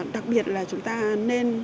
đặc biệt là chúng ta nên